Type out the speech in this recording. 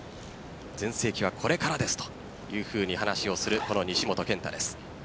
全盛期はこれからですと話をするこの西本拳太です。